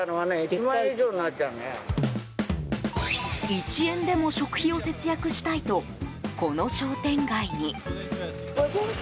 １円でも食費を節約したいとこの商店街に。